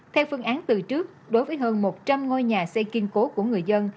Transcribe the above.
theo phương án từ trước đối với hơn một trăm linh ngôi nhà xây kiên cố của người dân